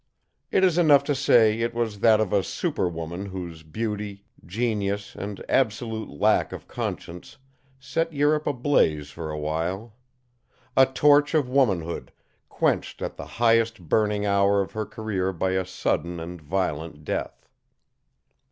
It is enough to say it was that of a super woman whose beauty, genius and absolute lack of conscience set Europe ablaze for a while. A torch of womanhood, quenched at the highest burning hour of her career by a sudden and violent death.